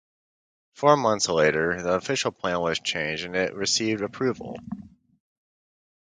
Four months later the official plan was changed and it received approval.